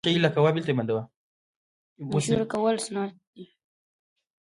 مشوره کول سنت دي